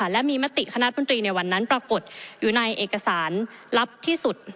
และมีมติคณะบนตรีในวันนั้นปรากฏอยู่ในเอกสารลับที่สุด